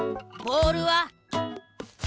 ボールは！？